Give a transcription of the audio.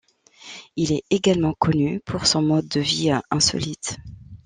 Il est également connu pour son mode de vie insolite.